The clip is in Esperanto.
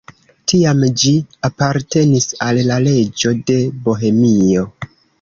Tiam ĝi apartenis al la reĝo de Bohemio.